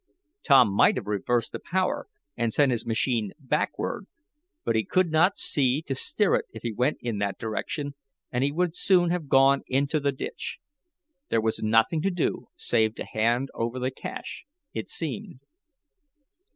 Tom might have reversed the power, and sent his machine backward, but he could not see to steer it if he went in that direction, and he would soon have gone into the ditch. There was nothing to do save to hand over the cash, it seemed.